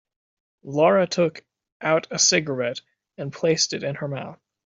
Laura took out a cigarette and placed it in her mouth.